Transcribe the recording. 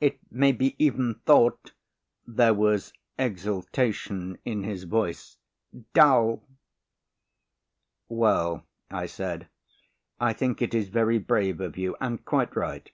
It may be even thought," there was exultation in his voice, "dull." "Well," I said, "I think it is very brave of you and quite right.